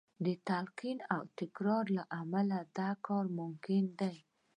د تلقین او تکرار له امله دا کار ممکن دی